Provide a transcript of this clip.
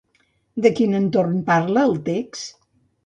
De quin entorn parla el text?